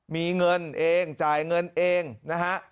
มีเงินเองจ่ายเงินเองนะฮะ